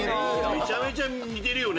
めちゃめちゃ似てるよね！